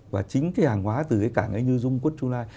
và chính cái hàng hóa từ cái cảng ấy như rung quất trung lai